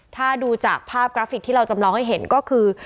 ถ้าดูจากภาพกราฟิกที่เราจำลองให้เห็นก็คือ